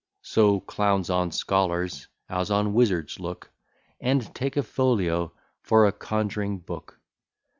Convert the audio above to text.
So clowns on scholars as on wizards look, And take a folio for a conj'ring book.